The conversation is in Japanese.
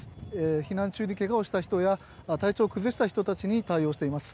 避難中にけがをした人や、体調を崩した人たちに対応しています。